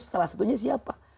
salah satunya siapa